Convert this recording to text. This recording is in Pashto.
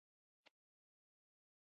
پسه د باران نه وروسته خوښ ښکاري.